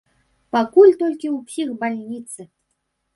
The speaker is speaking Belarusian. Пакуль толькі у псіхбальніцы.